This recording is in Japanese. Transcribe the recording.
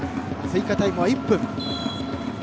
追加タイムは１分。